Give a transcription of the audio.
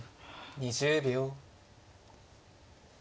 ２０秒。